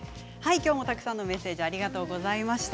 きょうもたくさんのメッセージありがとうございました。